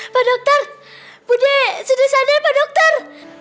pak dokter budi sudi sadar pak dokter